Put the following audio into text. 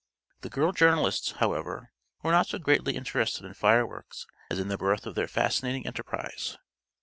The girl journalists, however, were not so greatly interested in fireworks as in the birth of their fascinating enterprise.